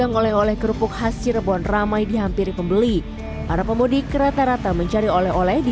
oleh oleh kerupuk khas cirebon ramai dihampiri pembeli para pemudik rata rata mencari oleh oleh di